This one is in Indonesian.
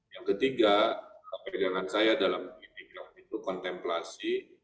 yang ketiga pegangan saya dalam itikaf itu kontemplasi